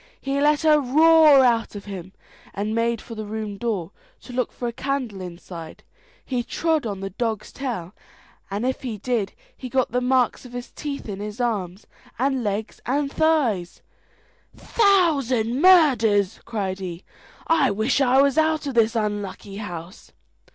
He let a roar out of him, and made for the room door, to look for a candle inside. He trod on the dog's tail, and if he did, he got the marks of his teeth in his arms, and legs, and thighs. "Thousand murders!" cried he; "I wish I was out of this unlucky house."